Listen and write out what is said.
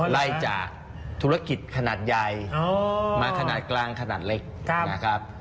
ไล่จากธุรกิจขนาดใหญ่มาขนาดกลางขนาดเล็กนะครับ